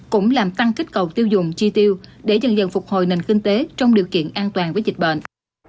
cũng làm tăng kích cầu tiêu dùng chi tiêu để dần dần phục hồi nền kinh tế trong điều kiện an toàn với dịch bệnh